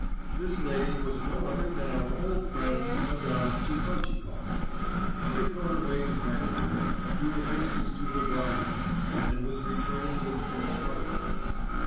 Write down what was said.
This lady was no other than our old friend Madame Suhantchikov. She had gone away to Heidelberg to do obeisance to Gubaryov, and was returning with 'instructions.